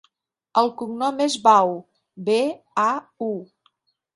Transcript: El cognom és Bau: be, a, u.